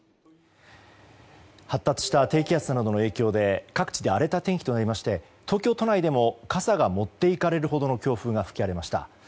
発達した低気圧などの影響で各地で荒れた天気となりまして東京都内でも傘が持っていかれるほどの強風が吹き荒れました。